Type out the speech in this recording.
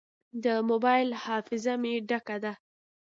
د موبایل حافظه مې ډکه ده.